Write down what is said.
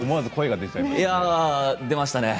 出ましたね。